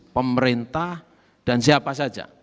pemerintah dan siapa saja